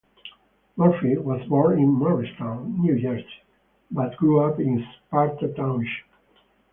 Murphy was born in Morristown, New Jersey but grew up in Sparta Township.